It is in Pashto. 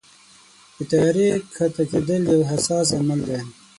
د طیارې کښته کېدل یو حساس عمل دی.